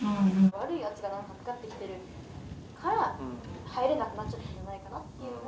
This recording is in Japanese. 悪いやつだなと分かってきてるから入れなくなっちゃったんじゃないかなっていうのは。